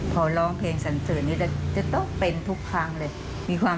ทั้งสองเป็นลูกเสือชาวบ้าน